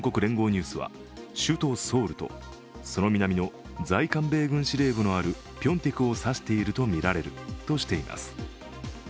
ニュースは首都ソウルとその南の在韓米軍司令部のあるピョンテクを指しているとみられるとしています。